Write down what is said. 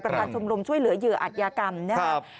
ประกันชมรมช่วยเหลือเหยื่ออาชญากรรมนะครับ